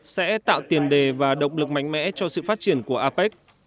sẽ tạo tiền đề và động lực mạnh mẽ cho sự phát triển của apec